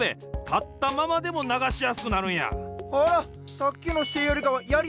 さっきのしせいよりかはやりやすそう！